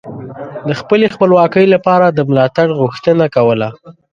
د خپلې خپلواکۍ لپاره د ملاتړ غوښتنه کوله